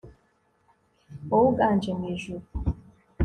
wowe uganje mu ijuru